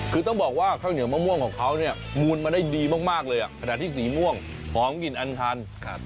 คือต้องบอกว่าข้าวเหนียวมะม่วงของเขาเนี่ยมูลมาได้ดีมากเลยขณะที่สีม่วงหอมกลิ่นอันทัน